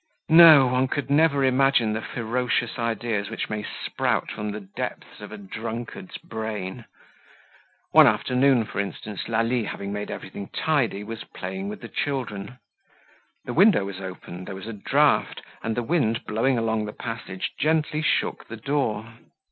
No, one could never imagine the ferocious ideas which may sprout from the depths of a drunkard's brain. One afternoon, for instance, Lalie having made everything tidy was playing with the children. The window was open, there was a draught, and the wind blowing along the passage gently shook the door.